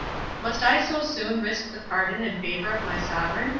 "Must I so soon risk the pardon and favour of my Sovereign?"